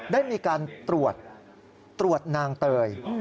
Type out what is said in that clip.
ได้มีการตรวจตรวจนางเตย